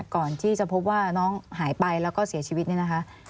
ก่อนที่จะพบว่าน้องหายไปแล้วก็เสียชีวิตเนี่ยนะคะ